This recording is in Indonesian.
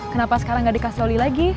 kenapa sekarang gak dikasih oli lagi